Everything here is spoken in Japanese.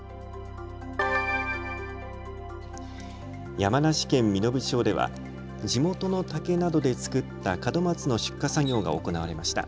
山梨県身延町では地元の竹などで作った門松の出荷作業が行われました。